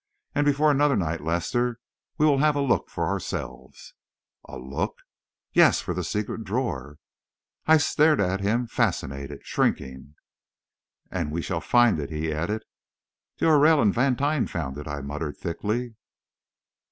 And before another night, Lester, we will have a look for ourselves." "A look?" "Yes; for the secret drawer!" I stared at him fascinated, shrinking. "And we shall find it!" he added. "D'Aurelle and Vantine found it," I muttered thickly.